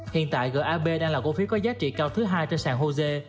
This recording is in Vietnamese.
hiện tại gap đang là cổ phiếu có giá trị cao thứ hai trên sàn hồ sê